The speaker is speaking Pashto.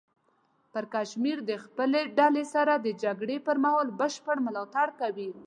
پړکمشر د خپلې ډلې سره د جګړې پر مهال بشپړ ملاتړ کوي.